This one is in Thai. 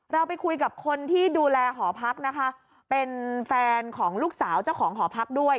เราไปคุยกับคนที่ดูแลหอพักนะคะเป็นแฟนของลูกสาวเจ้าของหอพักด้วย